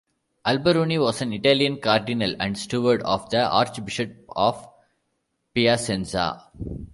Alberoni was an Italian cardinal and steward of the archbishop of Piacenza.